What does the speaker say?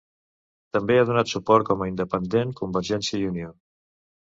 També ha donat suport com a independent Convergència i Unió.